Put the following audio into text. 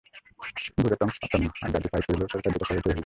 বোঝাইতাম পারতাম না, আড্ডাআড্ডি ফাইট অইলেও সরকার যেটা চায় ইটাই অইব।